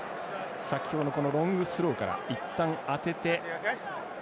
先ほど、ロングスローからいったん当てて。